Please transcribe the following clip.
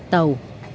chật bánh tàu